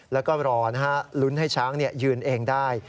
แล้วก็รอลุ้นให้ช้างยืนเองได้